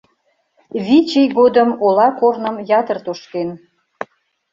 Вич ий годым ола корным ятыр тошкен...